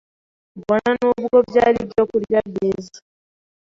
bona n’ubwo byari ibyokurya byiza.